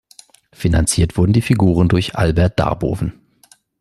Finanziert wurden die Figuren durch Albert Darboven.